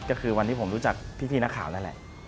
ก็คือวันที่ผมรู้จักพี่นักข่าวนั่นแหละ